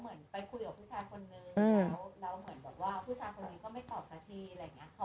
แล้วเหมือนว่าผู้ชายคนนี้ก็ไม่ตอบหน้าทีอะไรอย่างนี้